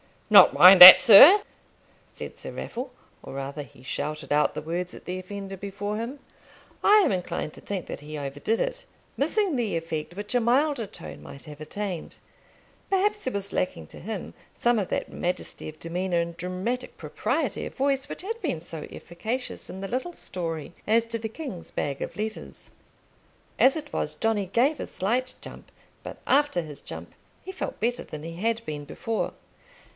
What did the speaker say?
"Not mind that, sir!" said Sir Raffle or rather, he shouted out the words at the offender before him. I am inclined to think that he overdid it, missing the effect which a milder tone might have attained. Perhaps there was lacking to him some of that majesty of demeanour and dramatic propriety of voice which had been so efficacious in the little story as to the King's bag of letters. As it was, Johnny gave a slight jump, but after his jump he felt better than he had been before.